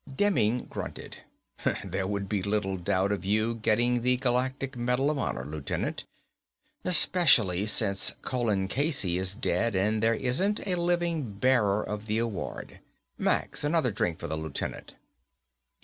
Demming grunted. "There would be little doubt of you getting the Galactic Medal of Honor, Lieutenant, especially since Colin Casey is dead and there isn't a living bearer of the award. Max, another drink for the Lieutenant."